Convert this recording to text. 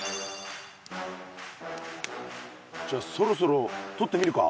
じゃそろそろとってみるか。